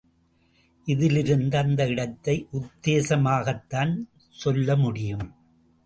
இதிலிருந்து அந்த இடத்தை உத்தேசமாகத்தான் சொல்ல முடியும்.